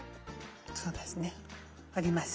そうですね。あります。